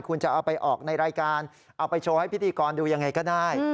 คุณจะเอาไปออกในรายการเอาไปโชว์ให้พิธีกรดูยังไงก็ได้